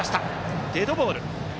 デッドボール。